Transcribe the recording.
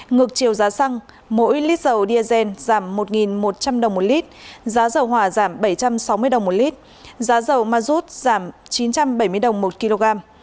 ngược chiều giá xăng mỗi lít dầu diazen giảm một một trăm linh đồng một lít giá dầu hòa giảm bảy trăm sáu mươi đồng một lít giá dầu mazut giảm chín trăm bảy mươi đồng một kg